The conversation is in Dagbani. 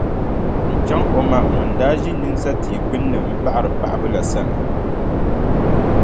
N-chaŋ o ma ŋun daa ʒi nyimsa tia gbunni m-paɣiri paɣibu la sani.